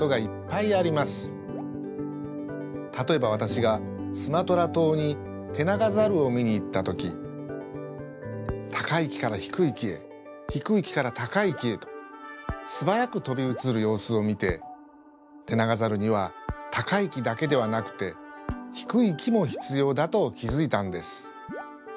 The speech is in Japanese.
たとえばわたしがスマトラ島にテナガザルを見に行ったときたかいきからひくいきへひくいきからたかいきへとすばやくとびうつるようすをみてテナガザルにはたかいきだけではなくてひくいきもひつようだときづいたんです。